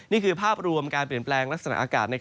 นี่คือภาพรวมการเปลี่ยนแปลงลักษณะอากาศ